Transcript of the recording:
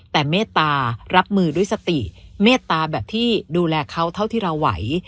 แต่เมตตารับมือด้วยสติเมตตาแบบที่ดูแลเขาเท่าที่เราไหว